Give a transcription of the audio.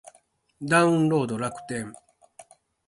ダウンロード楽天